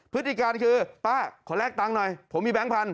พฤติการคือป้าขอแลกตังค์หน่อยผมมีแบงค์พันธ